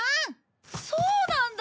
そうなんだ！